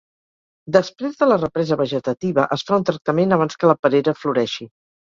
Després de la represa vegetativa es fa un tractament abans que la perera floreixi.